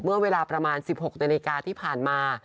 เมื่อเวลาประมาณ๑๖นาฬิกาที่ผ่านมา